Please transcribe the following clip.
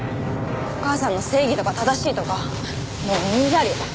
お母さんの正義とか正しいとかもううんざり。